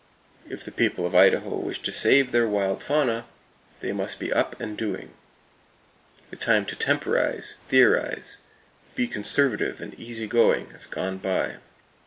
[Page 279] If the people of Idaho wish to save their wild fauna, they must be up and doing. The time to temporize, theorize, be conservative and easy going has gone by.